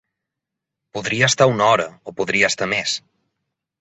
Podria estar una hora, o podria estar més.